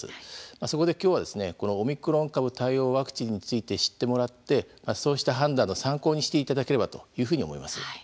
そこで今日はオミクロン株対応ワクチンについて知ってもらってそうした判断の参考にしていただければというふうに思います。